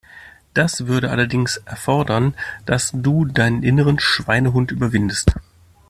Das würde allerdings erfordern, dass du deinen inneren Schweinehund überwindest.